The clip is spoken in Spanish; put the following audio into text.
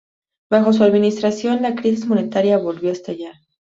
Bajo su administración, la crisis monetaria volvió a estallar.